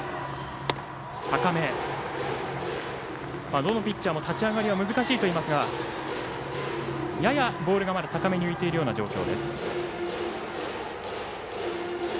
どのピッチャーも立ち上がりは難しいといいますがややボールがまだ高めに浮いている状況。